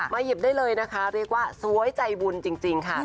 หยิบได้เลยนะคะเรียกว่าสวยใจบุญจริงค่ะ